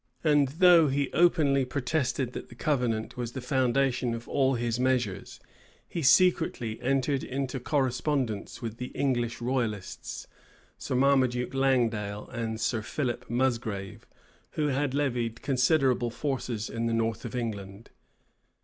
And though he openly protested that the covenant was the foundation of all his measures, he secretly entered into correspondence with the English royalists, Sir Marmaduke Langdale and Sir Philip Musgrave, who had levied considerable forces in the north of England.